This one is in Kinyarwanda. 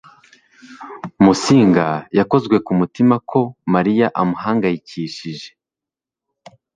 musinga yakozwe ku mutima ko mariya amuhangayikishije